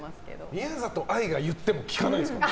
宮里藍が言っても聞かないんですか？